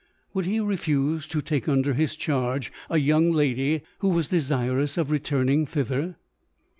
Would he refuse to take under his charge a young lady, who was desirous of returning thither?